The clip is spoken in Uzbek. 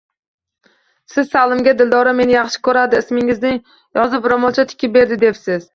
Siz Salimga Dildora meni yaxshi koʻradi, ismimizni yozib roʻmolcha tikib berdi debsiz.